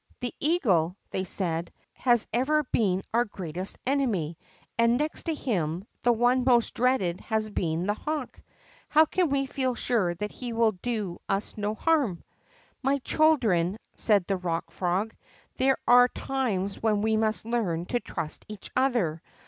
The eagle," they said, has ever been our greatest enemy, and, next to him, the one most dreaded has been the hawk. How can we feel sure that he will do us no harm ?" My children," said the Pock Frog, there are times when we must learn to trust each other.